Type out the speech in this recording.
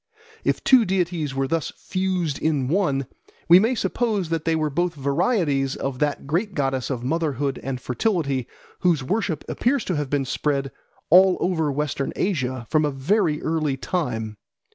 If two deities were thus fused in one, we may suppose that they were both varieties of that great goddess of motherhood and fertility whose worship appears to have been spread all over Western Asia from a very early time.